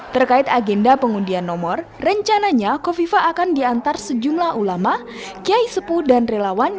terkait agenda pengundian nomor rencananya kofifa akan diantar sejumlah ulama kiai sepuh dan relawan